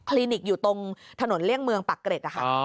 ลินิกอยู่ตรงถนนเลี่ยงเมืองปากเกร็ดนะคะ